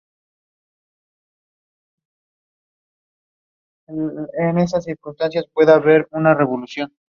Kyle, en cambio, trata de evitar cualquier contacto con ella.